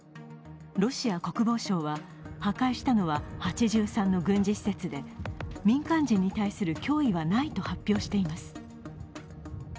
ロシア国防省は、破壊したのは８３の軍事施設で民間人に対する脅威はないと発表しています。